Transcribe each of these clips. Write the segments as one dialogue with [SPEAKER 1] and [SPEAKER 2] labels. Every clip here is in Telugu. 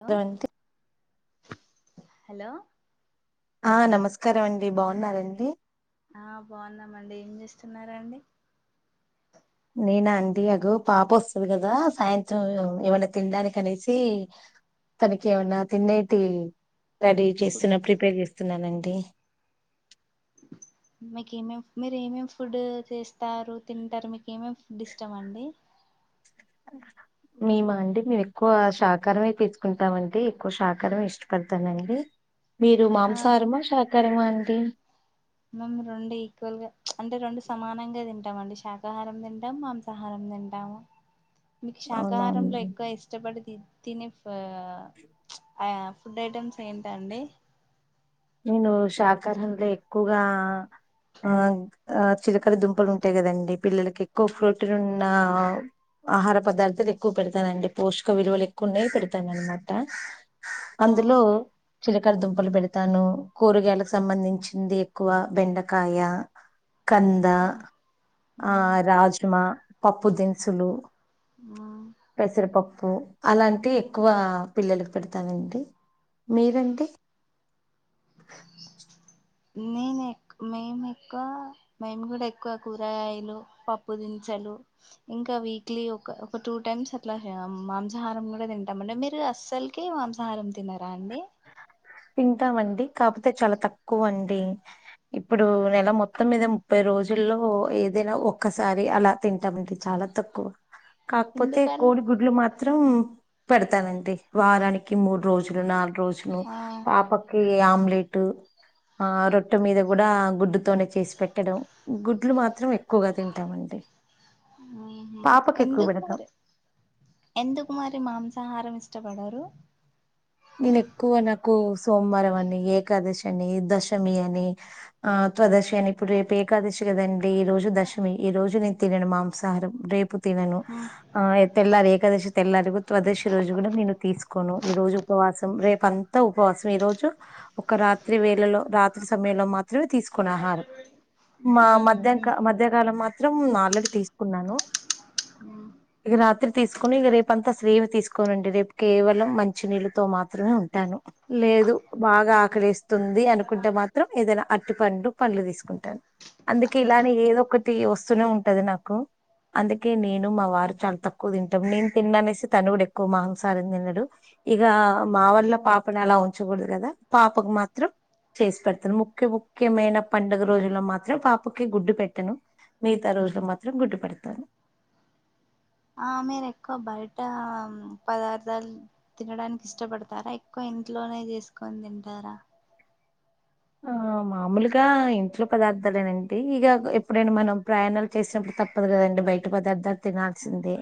[SPEAKER 1] లో
[SPEAKER 2] అండి
[SPEAKER 1] హలో
[SPEAKER 2] ఆ నమస్కారం అండి బాన్నారండి
[SPEAKER 1] ఆ బాన్నామండి ఏం చేస్తున్నారాండి
[SPEAKER 2] నేనాండి అగో పాప వస్తుంది కదా సాయంత్రం ఏమన్నా తినడానికి అనేసి తనకి ఏమన్నా తినేటి రెడీ
[SPEAKER 1] ఫుడ్
[SPEAKER 2] చేస్తున్నా ప్రిపేర్ చేస్తున్నానండి
[SPEAKER 1] మీకి ఏమేం మీరు ఏమేమి ఫుడ్ చేస్తారు తింటారు మీకి ఏమేమి ఫుడ్ ఇష్టం అండి
[SPEAKER 2] ఆ మేమా అండి మేము ఎక్కువ శాకారమే తీసుకుంటాం అండి ఎక్కువ శాకారంమే ఇష్టపడతానండి మీరు
[SPEAKER 1] ఆ
[SPEAKER 2] మాంసాహారమా శాకారమా అండి
[SPEAKER 1] మేము రెండు ఈక్వల్గా అంటే రెండు సమానంగా తింటామండి శాకాహారం తింటం మాంసాహారం తింటాము మీకి
[SPEAKER 2] అవునా
[SPEAKER 1] శాకాహారంలో
[SPEAKER 2] అండి
[SPEAKER 1] ఎక్కువ ఇష్టపడి తి తినే ఫ్ అయ ఫుడ్ ఐటెమ్స్ ఏంటండి
[SPEAKER 2] నేను శాకహరం లో ఎక్కువగా ఆ ఆ చిలకడ దుంపలు ఉంటయి కదండి పిల్లలకి ఎక్కువ ప్రోటీను ఉన్న ఆహార పదార్థాలు ఎక్కువ పెడతానండి పోషక విలువలు ఎక్కువ ఉన్నయి పెడతానాన్ నమాట
[SPEAKER 1] ఆ
[SPEAKER 2] అందులో చిలకడ దుంపలు పెడ్ తను కూరగాయలకు సంబంధించింది ఎక్కువ బెండకాయ కంద
[SPEAKER 1] ఆ
[SPEAKER 2] ఆ రాజుమా పప్పు దినుసులు
[SPEAKER 1] ఆ
[SPEAKER 2] పెసరపప్పు అలాంటి ఎక్కువ పిల్లలకు పెడతానండి మీరండి
[SPEAKER 1] నేను ఎ మేము ఎక్కువ మేము కూడా ఎక్కువ కూరగాయలు పప్పు దినసలు ఇంకా వీక్లీ ఒక ఒక టూ టైమ్స్ అట్లా మాంసాహారం కూడా తింటాం అండి మీరు అస్సలు కి మాంసాహారం తినరా అండి
[SPEAKER 2] తింటామండి కాపోతే చాలా తక్కువ అండి ఇప్పుడు నెల మొత్తం మీద ముప్పై రోజుల్లో ఏదైనా ఒక్కసారి అలా తింటామంటే చాలా తక్కువ కాకపోతే
[SPEAKER 1] ఎందుకలా
[SPEAKER 2] కోడి గుడ్లు మాత్రం పెడతానండి వారానికి మూడు రోజులు నాలుగు రోజులు
[SPEAKER 1] ఆ
[SPEAKER 2] పాపకి ఆమ్లెటు ఆ రొట్టే మీద కూడ గుడ్డు తోనే చేసి పెట్టడం గుడ్లు మాత్రం ఎక్కువగా తింటామండి
[SPEAKER 1] ఆహ
[SPEAKER 2] పాపకెక్కువ
[SPEAKER 1] ఎందుకు
[SPEAKER 2] పెడతాం.
[SPEAKER 1] మరి ఎందుకు మరి మాంసాహారం ఇష్టపడరు
[SPEAKER 2] నేను ఎక్కువ నాకు సోమవారం అని ఏకాదశి అని దశమి అని ఆ తవాదశి అని ఇప్పుడు రేపు ఏకాదశి కదండి ఈ రోజు దశమి ఈ రోజు నేను తినను మాంసహరం రే పు తినను ఆ తెల్లారి ఏకాదశి తెల్లారి ఉత్వదశి రోజు కూడా నేను తీసుకోను ఈ రోజు ఉపవాసం రేపు అంత ఉపవాసం ఈ రోజు ఒక రాత్రి వేళలో రాత్రి సమయంలో మా త్రమే తీసుకును ఆహారం మా
[SPEAKER 1] ఉహు
[SPEAKER 2] మధ్యక మధ్యకాలం మాత్రం ఆల్రెడీ తీసుకున్నాను
[SPEAKER 1] ఉమ్
[SPEAKER 2] ఇగ రాత్రి తీసుకొని ఇగ రేపంతా స్రేవ తీసుకోనండి రేపు కేవలం మంచినీళ్ళు తో మాత్రమే ఉంటాను లేదు బాగా ఆకలేస్తుంది అనుకుంటే మాత్రం ఏదైనా అట్టి పండు పండ్లు తీసుకుంటాను అందుకే ఇలానే ఏదో ఒకటి వస్తూనే ఉంటది నాకు అందుకే నేను మా వారు చాలా తక్కువ తింటాం నేను తిన్నా అనేసి తను కూడా ఎక్కువ మాంసారం తినడు ఇగ మా వాళ్ళ పాపని అలా ఉంచకూడదు కదా పాపకు మాత్రం చేస్పెడతాను ముఖ్య ముఖ్యమైన పండుగ రోజుల్లో మాత్రం పాపకి గుడ్డు పెట్టను మిగితా రోజు మాత్రం గుడ్టుపెడ్తాను
[SPEAKER 1] ఆ మీరెక్కువ బయ్టా పదార్థాలు తినడానికి ఇష్టపడ్తారా ఎక్కువ ఇంట్లోనే చేస్కొని తింటారా
[SPEAKER 2] ఆ మామూల్గా ఇంట్లో పదార్థాలేనాండి ఇగ ఎప్పుడైనా మనం ప్రయాణాలు చేసినప్పుడు తప్పదు కదండి బయ్ట పదర్థలు తినాల్సిందే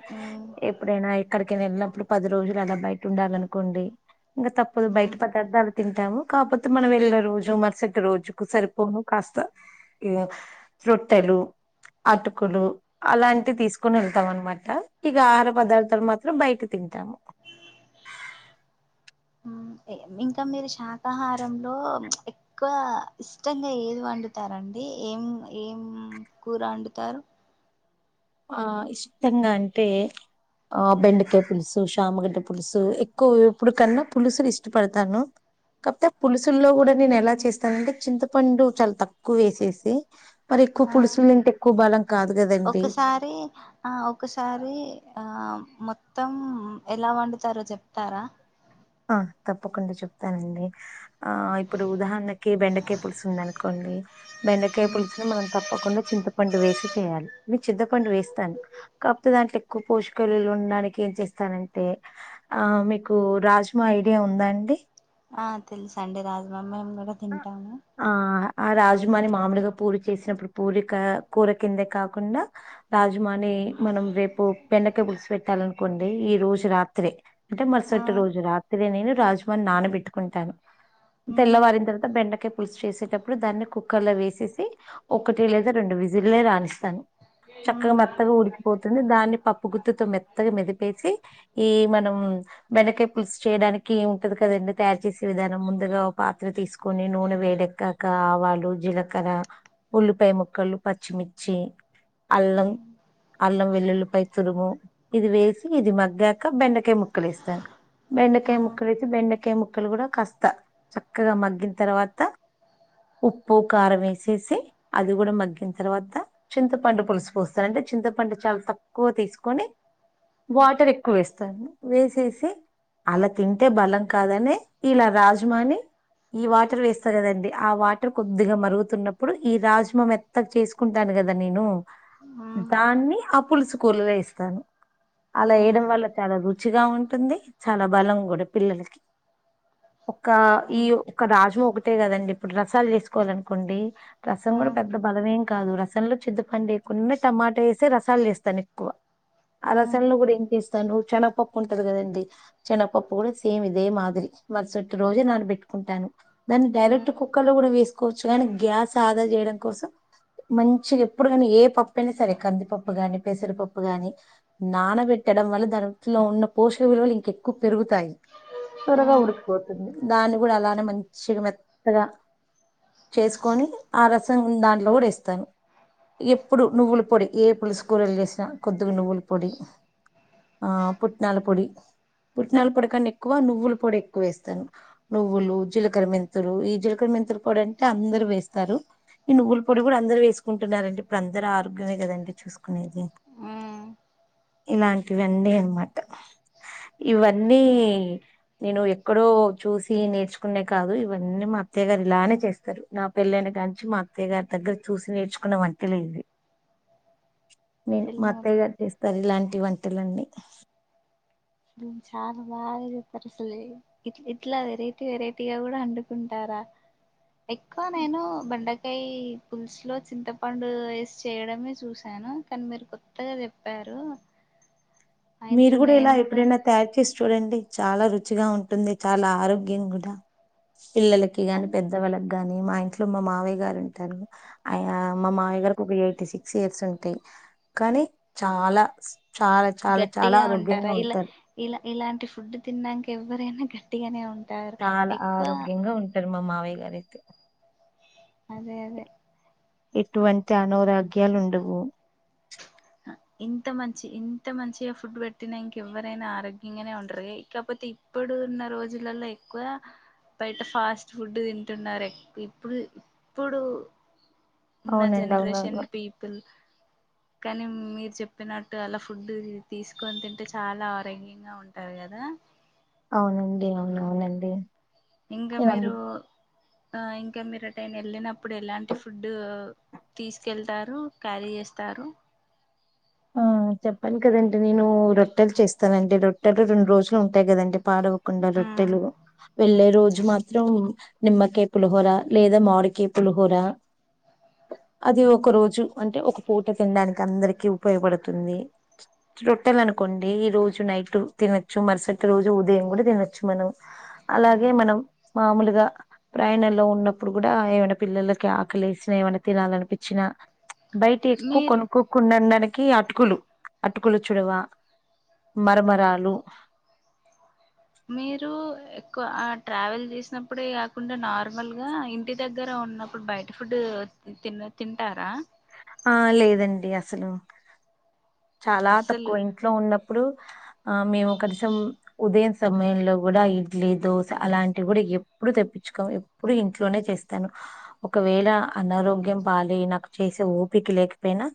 [SPEAKER 2] ఎప్పుడైనా ఎక్కడికైనా వెళ్ళినప్పుడు పది రోజులు అలా బయ్టుండాలనుకోండి ఇంగ తప్పదు
[SPEAKER 1] ఉ ఉ
[SPEAKER 2] బయట పదర్థాలు తింటాము కాకపోతే మనం వెళ్ళిన రోజు మరుసటి రోజు రోజుకు సరిపోను కాస్త ఈ రోట్టెలు అటుకులు అలాంటి తీస్కొని వెళ్తాం అనమాట ఇగ ఆహార పదార్థాలు మాత్రం బయ్ట తింటాము
[SPEAKER 1] ఉహ్ ఇంకా మీరు శాకాహారంలో ఎ ఎక్కువ ఇష్టంగా ఏది వండుతారండి ఏం ఏం కూర అండుతారు
[SPEAKER 2] ఆ ఇష్టంగా అంటే ఆ బెండకాయ పులుసు శామగడ్డ పులుసు ఎక్కువ ఎప్పుడు కన్నా పులుసులు ఇష్టపడ్తాను కాకపోతే పులుసుల్లో కూడా నేను ఎలా చేస్తానంటే చింతపండు చాలా తక్కువేసేసి మరి ఎక్కువ
[SPEAKER 1] ఆ
[SPEAKER 2] పులుసులుంటే ఎక్కువ బలం కాదు కదండి
[SPEAKER 1] అదీ ఆ ఒకసారి ఆ మొత్తం ఎలా వండుతారో చెప్తారా
[SPEAKER 2] ఆ తప్పకుండా చెప్తానండి. ఆ ఇప్పుడు ఉదాహర్ణకి బెండకాయ పులుసు ఉంది అనుకోండి బెండకాయ పులుసు ని మనం తప్ప. తప్పకుండా చింతపండు వేసి చేయాలి మీరు చింతపండు వేస్తార. కాకపోతే దాంట్లో ఎక్కువ పోషకాలులుండడానికి ఏం చేస్తానంటే ఆ మీకు రాజు. మా ఐడియా ఉందా అండి.
[SPEAKER 1] ఆ తెల్సండి రాజ్మ మేము కూడా
[SPEAKER 2] ఆ
[SPEAKER 1] తింటాము.
[SPEAKER 2] ఆ ఆ రాజమాని మామూల్గా పూరి చేసినప్పుడు పూరిక కూర కిందే కాకుండా. రాజ్మాని మనం రేపు బెండకయ పులుసు పెట్టాలనుకోండి ఈ రోజు రాత్రే. అంటే
[SPEAKER 1] ఆ
[SPEAKER 2] మరుసటి రోజు రాత్రే నేను రాజ్మాని నానబెట్టుకుంటాను
[SPEAKER 1] మ్మ్
[SPEAKER 2] తెల్లవారింత. బెండకాయ పులుసు చేసేటప్పుడు దాన్ని కుక్కర్లో వేసేసి. ఒకటి లేదా రెండు విజుల్లే రానిస్తాను. చక్కగా
[SPEAKER 1] మ్మ్
[SPEAKER 2] మెత్తగా ఉడ్కిపోతుంది దాన్ని పప్పు గుత్తితో మెత్తగా మెదిపేసి. ఏ మనం. బెండకాయ పులుసు చేయ్డానికి ఏముంటది కదండి తయారు చేసే విధానం ముందుగా ఓ పాత్ర తీస్కు. కొని నూనె వేడెక్కకా ఆవాలు, జీలకర. ఉల్లిపాయ ముక్కలు పచ్చిమిర్చి, అల్లం. అల్లం వెల్లుల్లిపై తురుము ఇది వేసి ఇది మగ్గాక బెండకాయ ముక్కలేస్తాను. బెండకాయ ముక్కలైతే బెండకాయ ముక్కలు కూడా కాస్తా చక్కగా మగ్గిన్తర్వాత. ఉప్పు కారం వేసేసి అది కూడా మగ్గిన తర్వాత. చింతపండు పులుసు పోస్తారు అంటే చింతపండు చాలా తక్కువ తీస్కొని. వాటర్ ఎక్కువ వేస్తాను వేసేసి. అలా తింటే బలం కాదనే ఇలా రాజ్మాని. ఈ వాటర్ వేస్తా కదండి ఆ వాటర్ కొద్దిగా మరుగుతున్నప్పుడు ఈ రాజ్మ మెత్తగా చేసు. కుంటాను కదా నేను
[SPEAKER 1] మ్మ్
[SPEAKER 2] దాన్ని ఆ పులుసు కూరలో ఎస్తాను. అలా వయడం
[SPEAKER 1] మ్మ్
[SPEAKER 2] వల్ల చాలా రుచిగా ఉంటుంది చాలా బలం కూడా పిల్లలకి. ఒక ఈ
[SPEAKER 1] మ్మ్
[SPEAKER 2] ఒక రాజ్మ ఒకటే కదండి ఇప్పుడు రసాలు చేస్కోవాల అనుకోండి రసం కూడా పెద్ద. బలమేం కాదు రసంలో చింతపండేయకుండ టమాటా వేసి రసాలు చేస్తారు ఎక్కువ. ఆ
[SPEAKER 1] మ్మ్
[SPEAKER 2] రసాలను కూడా ఏం చేస్తాను శనగపప్పు ఉంటది కదండీ. చెనపప్పు కూడా సేమ్ ఇదే మాదిరి మర్సటి రోజగ నానబెట్టుకుంటాను. దాన్ని
[SPEAKER 1] మ్మ్
[SPEAKER 2] డైరెక్ట్ కుక్కర్ లో కూడా వేసుకోవచ్చు కానీ గ్యాస్ ఆదా చేయడం కోసం. మంచిగా ఎప్పుడు కాని ఏ పప్పైనా సరే కందిపప్పు గాని పెసరిపప్పు గాని. నానబెట్టడం వల్ల దానిట్లో ఉన్న పోషక విలువలు ఇంకెక్కువ పెరుగుతాయి. త్వరగా ఉడికిపోతుంది దాన్ని కూడా అలానే మంచిగా మెత్తగా. చేసుకొని ఆ రసం దాంట్లో కూడా ఏస్తాను. ఎప్పుడు నువ్వుల పొడి ఏ పులుసు కూరలు చేసినా కొద్దిగా నువ్వుల పొడి. ఆ పుట్నాల పొడి. పుట్నాల పొడికని ఎక్కువ నువ్వులు పొడి ఎక్కువ వేస్తాను నువ్వులు. జీలకర మెంతులు ఈ జీలకర మెంతులు కూడా అంటే అందరు వేస్తారు. ఈ నువ్వుల పొడి కూడా అందరు వేసుకుంటన్నారండి ఇప్పుడు అందరూ ఆరోగ్యమే కదండి. చూసుకునేది
[SPEAKER 1] మ్మ్
[SPEAKER 2] ఇలాంటివి అన్నీ అనమాట. ఇవన్నీ నేను ఎక్కడో చూసి నేర్చు. ఉండే కాదు ఇవన్నీ మా అత్తయ్య గారు ఇలానే చేస్తారు నా పెళ్లాయిని కాంచి మా అత్తయ్య గారు. దగ్గర చూసి నేర్చుకున్న వంటలే. నేను మా
[SPEAKER 1] మ్మ్
[SPEAKER 2] అత్తయ్య గరు చేస్తారు ఇలాంటి వంటలన్నీ.
[SPEAKER 1] హమ్ చాలా బాగా చెప్పరసలే ఇట్ ఇట్లా వెరైటీ వెరైటీగా కూడా వండుకుంటారా ఎక్కువ నేను బెండకాయ పుల్సు లో చింతపండు వేసి చేయడమే చూశాను కానీ మీరు కొత్తగా చెప్పారు మా
[SPEAKER 2] మీరు
[SPEAKER 1] ఇంట్లో
[SPEAKER 2] కూడా ఇలా
[SPEAKER 1] నేను
[SPEAKER 2] ఎప్పుడైనా తయారు చేసి చూడండి చాలా రుచిగా ఉంటుంది చాలా ఆరోగ్యం కూడా పిల్లలకి కి గాని
[SPEAKER 1] అన్-
[SPEAKER 2] పెద్ద వాళ్ళకి గాని మా ఇంట్లో మా మావయ్య గారు అంటారు అయ మా మామయ్యా గారికి ఒక ఎయిట్ సిక్స్ ఇయర్స్ ఉంటాయి కానీ చాలా చాలా చాలా
[SPEAKER 1] గట్టిగా ఉంటారా
[SPEAKER 2] ఆరోగ్యంగా
[SPEAKER 1] ఇలా
[SPEAKER 2] ఉంటారు
[SPEAKER 1] ఇలా ఇలాంటి ఫుడ్ తినడానికి ఎవ్వరైనా గట్టిగానే ఉంటారు
[SPEAKER 2] చాలా
[SPEAKER 1] ఎక్కువ
[SPEAKER 2] ఆరోగ్యంగా మా మామయ్య గారైతే
[SPEAKER 1] అదే అదే
[SPEAKER 2] ఎటువంటి అనారోగ్యాలు ఉండవు
[SPEAKER 1] ఇంత మంచి ఇంత మంచిగా ఫుడ్ పెట్టినా ఇంక ఎవ్వరైనా ఆరోగ్యంగానే ఉంటరె కాకపోతే ఇప్పుడు ఉన్న రోజులలో ఎక్కువ బయట ఫాస్ట్ ఫుడ్ తింటున్నారే ఇప్పు ఇప్పుడు ఇప్పుడు ఉన్న
[SPEAKER 2] అవునండి
[SPEAKER 1] జనరేషన్
[SPEAKER 2] అవునవును
[SPEAKER 1] పీపుల్ కానీ మీరు చెప్పినట్టు అలా ఫుడ్ తీసుకొని తింటే చాలా ఆరోగ్యంగా ఉంటారు కదా
[SPEAKER 2] అవునండి అవునవునండి
[SPEAKER 1] ఇంకా
[SPEAKER 2] నేను
[SPEAKER 1] మీరు
[SPEAKER 2] అందుకు
[SPEAKER 1] ఇంకా మీరు ఏటైనా వెళ్ళినప్పుడు ఎలాంటి ఫుడ్డు తీసుకెళ్తారు క్యారీ చేస్తారు
[SPEAKER 2] ఆ చెప్పను కదండి నేను రొట్టెలు చేస్తానండి రొట్టెలు రెండు రోజులు ఉంటాయి కదండి పాడవవ్వు కుండా రొట్టెలు వెళ్లేే రోజు మాత్రం నిమ్మకాయ పులిహోర లేదా మామిడికాయ పులిహోర అది ఒక రోజు అంటే ఒక పూట తినడానికి అందరికి ఉపయోగపడుతుంది రొట్టెలనుకోండి ఈ రోజు నైట్ తినొచ్చు మరుసటి రోజు ఉదయం కూడా తినొచ్చు మనం అలాగే మనం మామూలుగా ప్రయాణంలో ఉన్నప్పుడు కూడా ఏమైనా పిల్లలకి ఆకలి ఏసినా ఏమైనా తినాలనిపించినా బయట ఎక్కువ
[SPEAKER 1] మీరు
[SPEAKER 2] కొనుక్కోకుండా డానికి అటుకులు అటుకులు చుడవ మరమరాలు
[SPEAKER 1] మీరు ఎక్కువ ట్రావెల్ చేసినప్పుడే కాకుండా నార్మల్ గా ఇంటి దగ్గర ఉన్నప్పుడు బయట ఫుడ్ తిం తింటారా
[SPEAKER 2] ఆ లేదండి అసలు చాలా
[SPEAKER 1] అస్సలు
[SPEAKER 2] తక్కువ ఇంట్లో ఉన్నప్పుడు ఆ మేము కనీసం ఉదయం సమయంలో గుడా ఇడ్లీ దోశ అలాంటివి గూడా ఎప్పుడు తెప్పించుకోం ఎప్పుడు ఇంట్లోనే చేస్తాను ఒకవేళ అనారోగ్యం పాలైనా నాకు చేసే ఓపికి లేకపోయినా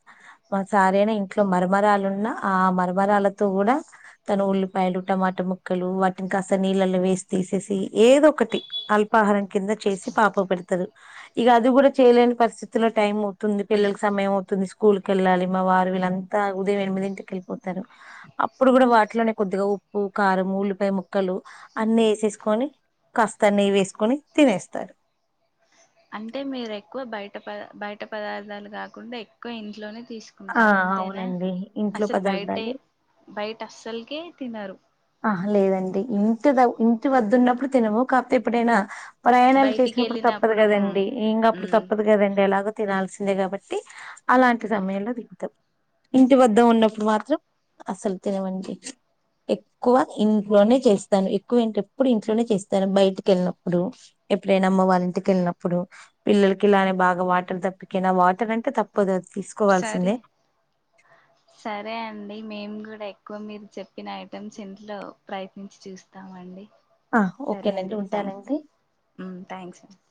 [SPEAKER 2] మా సారైనా ఇంట్లో మరమరాలున్న ఆ మరమరాలతో గూడా తను ఉల్లిపాయలు టమాటా ముక్కలు వాటిని కాస్త నీళ్ళలో వేసి తీసేసి ఏదొ ఒకటి అల్పాహారం కింద చేసి పాపకు పెడతారు ఇగ అది గుడా చేయలేని పరిస్థితిలో టైం అయితుంది పిల్లలకి సమయం అవుతుంది స్కూల్ కేళ్ళాలి మా వారు వీళ్ళు త ఉదయం ఎనిమిదింటికి వేళ్ళిపోతారు అప్పుడు గూడ వాటిలోనే కొద్దిగా ఉప్పు కారం ఉల్లిపాయ ముక్కలు అన్నీ వేసేసుకొని కాస్తా నెయ్యి వేసుకొని తినేస్తారు
[SPEAKER 1] అంటే మీరు ఎక్కువ బయట పద బయట పదార్థాలు కాకుండా ఎక్కువ ఇంట్లోనే తీస్
[SPEAKER 2] ఆ
[SPEAKER 1] కుంటారు అంతేనా
[SPEAKER 2] అవునండి ఇంట్లో
[SPEAKER 1] అసలు బయటే
[SPEAKER 2] పదార్థాలు
[SPEAKER 1] బయట అస్సలుకే తినరు
[SPEAKER 2] ఆహ లేదండి ఇంటి ద ఇంటి వదున్నప్పుడు తినము కాపోతే ఎప్పుడైనా ప్రయాణాలు
[SPEAKER 1] బయటికి
[SPEAKER 2] చేసినప్పుడు తప్పదు
[SPEAKER 1] వెళ్ళినప్పుడు మ్మ్
[SPEAKER 2] గదండి ఇంకా అప్పుడు
[SPEAKER 1] మ్మ్
[SPEAKER 2] తప్పదు గదండి ఎలాగో తినాల్సిందే కాబట్టి అలాంటి సమయంలో దిగుతాం ఇంటి వద్ద ఉన్నప్పుడు మాత్రం అసలు తినమండి ఎ ఎక్కువ ఇంట్లోనే చేస్తాను ఎక్కువ ఇంట ఎప్పుడు ఇంట్లోనే చేస్తాను బయటికి ఎళ్ళినప్పుడు ఎప్పుడైనా అమ్మ వాళ్ళ ఇంటికేళ్ళినప్పుడు పిల్లలకి ఇలానే బాగా వాటర్ తప్పికనా వాటర్ అంటే తప్పదు తీసు
[SPEAKER 1] సరే సరే అండి మేం కూడా ఎక్కువ మీరు చెప్పిన ఐటమ్స్ ఇంట్లో ప్రయత్నించి చూస్తామండి
[SPEAKER 2] ఆ
[SPEAKER 1] సరే
[SPEAKER 2] ఓకేనండి
[SPEAKER 1] అండి థ్యాంక్స్
[SPEAKER 2] ఉంటానండి
[SPEAKER 1] ఉమ్ థ్యాంక్స్ అండి